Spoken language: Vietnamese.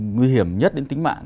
nguy hiểm nhất đến tính mạng